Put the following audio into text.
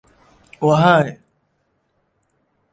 وەهایە: